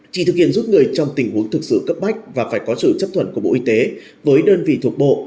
chỉ thực hiện giúp người trong tình huống thực sự cấp bách và phải có sự chấp thuận của bộ y tế với đơn vị thuộc bộ